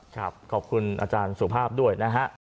ขอบคุณอาจารย์สุภาพด้วยนะฮะ